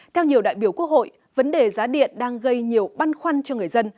theo nhiều đại biểu quốc hội vấn đề giá điện đang gây nhiều băn khoăn cho người dân